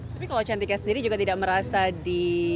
tapi kalau cantiknya sendiri juga tidak merasa di